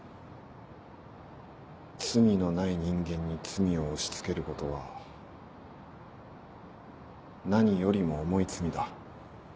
「罪のない人間に罪を押し付けることは何よりも重い罪だ」。